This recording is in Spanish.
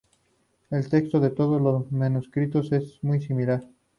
El texto de todos los manuscritos es muy similar.